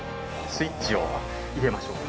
スイッチを入れましょう。